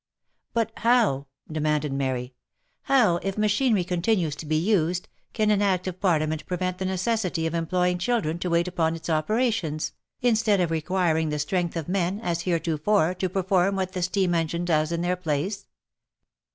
H But how," demanded Mary, " how, if machinery continues to be used, can any Act of Parliament prevent the necessity of employing children to wait upon its operations, instead of requiring the strength of men, as heretofore, to perform what the steam engine does in their place